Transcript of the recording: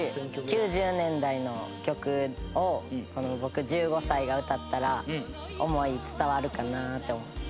９０年代の曲をこの僕１５歳が歌ったら思い伝わるかなって思って。